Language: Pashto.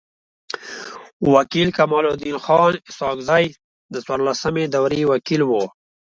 و کيل کمال الدین خان اسحق زی د څوارلسمي دوری وکيل وو.